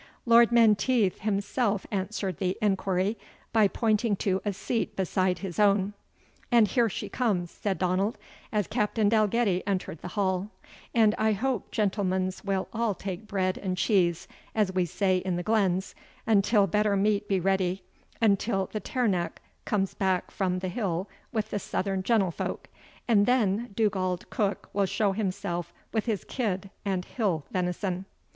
Lord Menteith himself answered the enquiry, by pointing to a seat beside his own. "And here she comes," said Donald, as Captain Dalgetty entered the hall; "and I hope gentlemens will all take bread and cheese, as we say in the glens, until better meat be ready, until the Tiernach comes back frae the hill wi' the southern gentlefolk, and then Dugald Cook will show himself wi' his kid and hill venison."